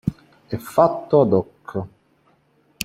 E' fatto ad hoc.